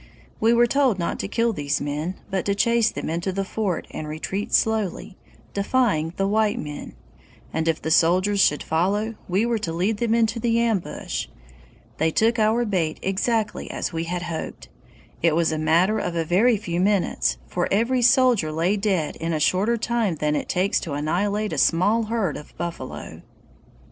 We were told not to kill these men, but to chase them into the fort and retreat slowly, defying the white men; and if the soldiers should follow, we were to lead them into the ambush. They took our bait exactly as we had hoped! It was a matter of a very few minutes, for every soldier lay dead in a shorter time than it takes to annihilate a small herd of buffalo.